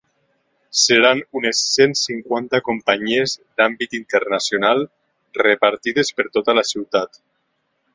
Seran unes cent cinquanta companyies d’àmbit internacional, repartides per tota la ciutat.